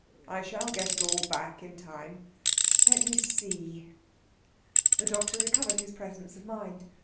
I shall get it all back in time. Let me see!..." The doctor recovered his presence of mind.